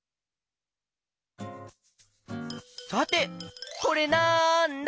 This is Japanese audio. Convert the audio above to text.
さてこれなんだ？